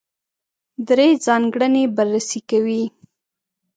درې ځانګړنې بررسي کوي.